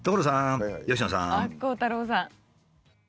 あっ鋼太郎さん。